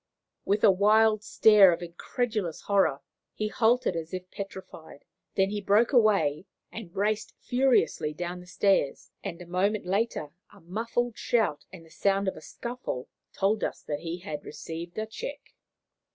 With a wild stare of incredulous horror, he halted as if petrified; then he broke away and raced furiously down the stairs, and a moment later a muffled shout and the sound of a scuffle told us that he had received a check.